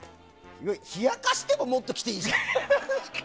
冷やかしでももっと来ていいじゃん。